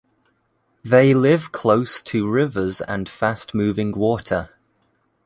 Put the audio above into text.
They live close to rivers and fast-moving water.